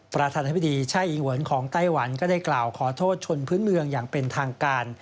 ประธานาธิบดีใช่อีหวนของไต้หวันก็ได้กล่าวขอโทษชนพื้นเมืองอย่างเป็นทางการ